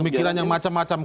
pemikiran yang macam macam